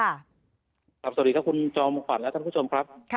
สวัสดีครับคุณจอมขวัญและท่านผู้ชมครับ